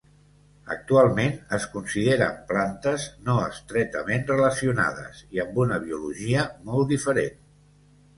Actualment es consideren plantes no estretament relacionades i amb una biologia molt diferent.